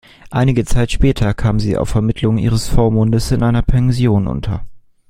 Einige Zeit später kam sie auf Vermittlung ihres Vormundes in einer Pension unter.